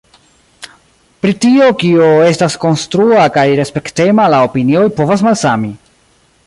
Pri tio kio estas konstrua kaj respektema la opinioj povas malsami.